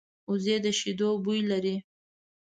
وزې د شیدو بوی لري